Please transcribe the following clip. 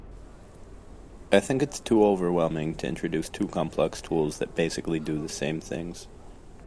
I think it’s too overwhelming to introduce two complex tools that basically do the same things.